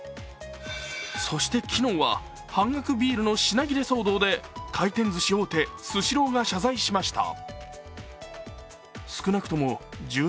そして、昨日は半額ビールの品切れ騒動で回転ずし大手・スシローが謝罪しました。